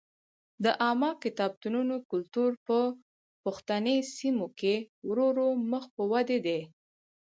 د عامه کتابتونونو کلتور په پښتني سیمو کې ورو ورو مخ په ودې دی.